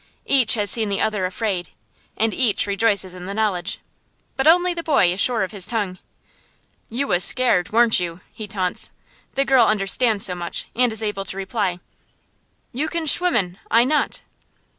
Each has seen the other afraid, and each rejoices in the knowledge. But only the boy is sure of his tongue. "You was scared, warn't you?" he taunts. The girl understands so much, and is able to reply: "You can schwimmen, I not."